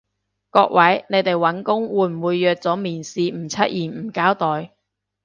各位，你哋搵工會唔會約咗面試唔出現唔交代？